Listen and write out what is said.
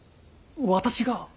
私が？